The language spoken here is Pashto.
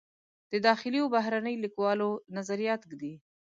د داخلي و بهرني لیکوالو نظریات ږدي.